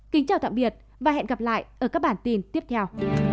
kính chào tạm biệt và hẹn gặp lại ở các bản tin tiếp theo